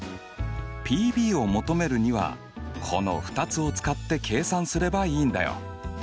Ｐを求めるにはこの２つを使って計算すればいいんだよ。